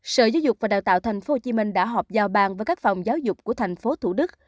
sở giáo dục và đào tạo tp hcm đã họp giao bang với các phòng giáo dục của tp thủ đức